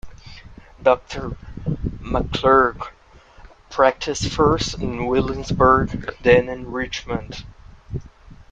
Dr. McClurg practiced first in Williamsburg, then in Richmond.